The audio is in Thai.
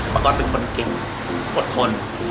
ก๊อตเป็นคนเก่งอดทน